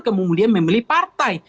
kemuliaan memilih partai